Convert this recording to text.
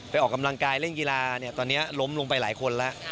ออกกำลังกายเล่นกีฬาเนี่ยตอนนี้ล้มลงไปหลายคนแล้ว